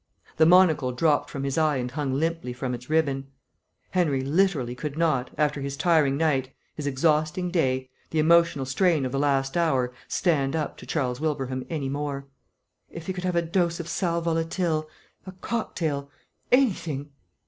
The monocle dropped from his eye and hung limply from its ribbon. Henry literally could not, after his tiring night, his exhausting day, the emotional strain of the last hour, stand up to Charles Wilbraham any more. If he could have a dose of sal volatile a cocktail anything